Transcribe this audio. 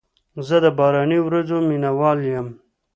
زه د باراني ورځو مینه وال یم.